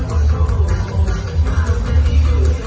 มันเป็นเมื่อไหร่แล้ว